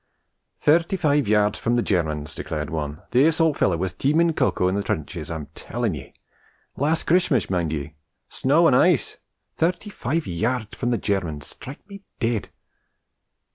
'Thairty five yarrds from the Gairmans,' declared one, 'this ol' feller was teemin' cocoa in the trenches. I'm tellin' ye! Lash C'rishmash mind ye shnow an' ische! Thairty five yarrds from the Gairmans strike me dead!'